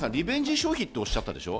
消費っておっしゃったでしょ？